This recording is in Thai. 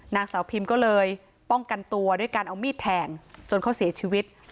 นางสาวพิมก็เลยป้องกันตัวด้วยการเอามีดแทงจนเขาเสียชีวิต